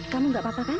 kamu tidak apa apa kan